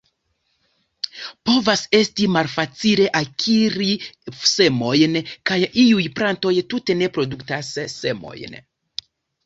Povas esti malfacile akiri semojn, kaj iuj plantoj tute ne produktas semojn.